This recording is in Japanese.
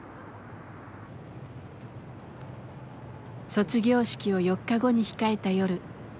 卒業式を４日後に控えた夜。